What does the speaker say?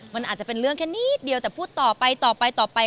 มันอาจจะเป็นเรื่องแค่นิดเดียวแต่พูดต่อไปต่อไปต่อไป